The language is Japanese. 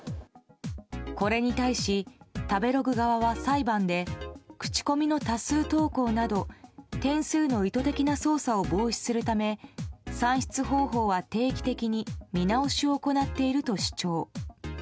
これに対し、食べログ側は裁判で口コミの多数投稿など点数の意図的な操作を防止するため算出方法は定期的に見直しを行っていると主張。